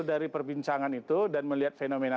dari perbincangan itu dan melihat fenomena